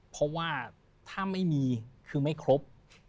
เพราะว่าถ้าไม่มีคือไม่ครบ